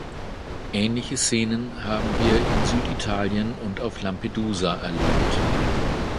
Ähnliche Szenen haben wir in Süditalien und auf Lampedusa erlebt.